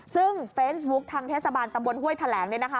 ซึ่งเฟซบุ๊คทางเทศบาลตำบลห้วยแถลงเนี่ยนะคะ